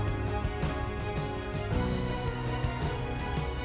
copot kembali malam hari ini